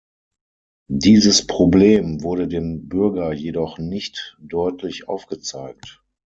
Dieses Problem wurde dem Bürger jedoch nicht deutlich aufgezeigt.